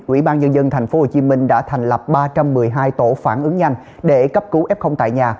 ubnd tp hcm đã thành lập ba trăm một mươi hai tổ phản ứng nhanh để cấp cứu f tại nhà